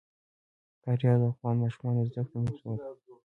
فاریاب د افغان ماشومانو د زده کړې موضوع ده.